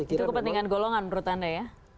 itu kepentingan golongan menurut anda ya